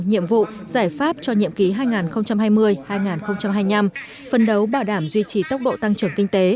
nhiệm vụ giải pháp cho nhiệm ký hai nghìn hai mươi hai nghìn hai mươi năm phân đấu bảo đảm duy trì tốc độ tăng trưởng kinh tế